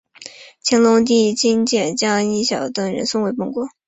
乾隆帝命金简将益晓等人送回本国。